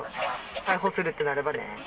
逮捕するってなればね。